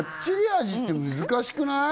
味って難しくない？